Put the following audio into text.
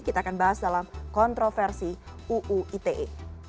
kita akan bahas dalam kontroversi uu ite